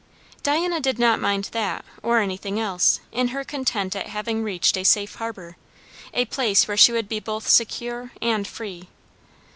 Diana did not mind that or anything else, in her content at having reached a safe harbour, a place where she would be both secure and free.